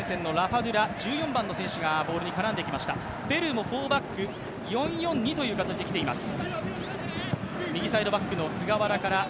ペルーもフォーバック、４−４−２という形で来ています。